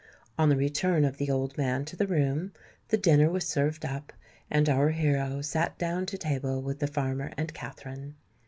On the return of the old man to the room, the dinner was served up; and our hero sat down to table with the farmer and Katherine.